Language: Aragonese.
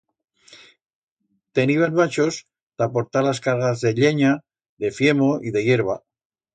Teniban machos ta portar las cargas de llenya, de fiemo y de hierba.